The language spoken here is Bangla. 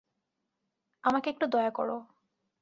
আমাকে একটু দয়া কর।